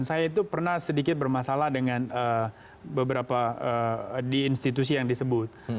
dua ribu sembilan saya itu pernah sedikit bermasalah dengan beberapa di institusi yang disebut